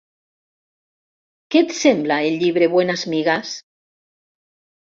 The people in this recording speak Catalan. Què et sembla el llibre Buenas Migas?